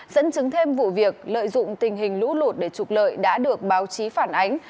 dẫn chứng thêm vụ việc lợi dụng tình hình lũ lụt để trục lợi đã được báo chí phản ánh